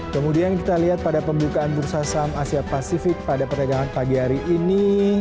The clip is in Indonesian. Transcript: kemudian kita lihat pada pembukaan bursa saham asia pasifik pada perdagangan pagi hari ini